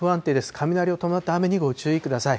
雷を伴った雨にご注意ください。